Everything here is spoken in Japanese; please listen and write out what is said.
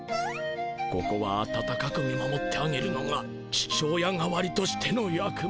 ここは温かく見守ってあげるのが父親代わりとしての役目。